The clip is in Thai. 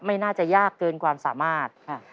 ไม่น่าจะยากเกินความสามารถ